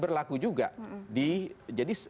berlaku juga jadi